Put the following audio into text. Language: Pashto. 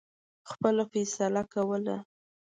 خپله فیصله کوله.